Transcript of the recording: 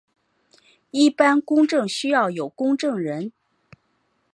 一般公证需要有公证人。